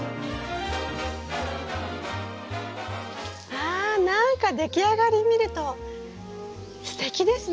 わ何か出来上がり見るとすてきですね。